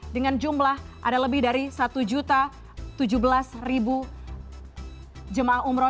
dengan jumlah ada lebih dari satu tujuh belas jemaah umroh